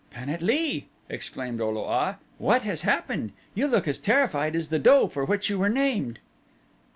"Pan at lee," exclaimed O lo a, "what has happened? You look as terrified as the doe for which you were named!"